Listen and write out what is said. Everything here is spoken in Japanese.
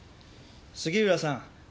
杉浦さん。